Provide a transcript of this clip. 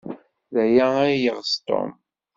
D aya ay yeɣs Tom?